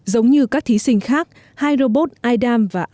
giống như các thí sinh khác hai robot idam và imat được yêu cầu hoàn thành